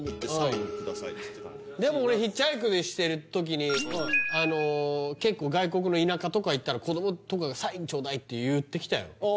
でも俺ヒッチハイクしてる時に結構外国の田舎とか行ったら子供とかが「サインちょうだい」って言ってきたよああ